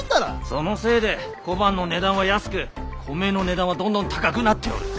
そのせいで小判の値段は安く米の値段はどんどん高くなっておる。